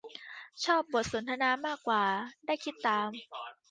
ชอบบทสนทนามากกว่า ได้คิดตาม